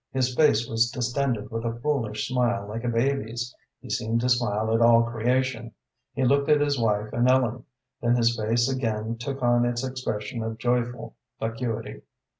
His face was distended with a foolish smile like a baby's. He seemed to smile at all creation. He looked at his wife and Ellen; then his face again took on its expression of joyful vacuity.